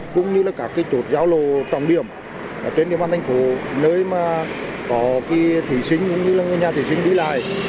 cũng như là các cái chốt giao lộ trọng điểm trên điểm an thành phố nơi mà có cái thí sinh cũng như là nhà thí sinh đi lại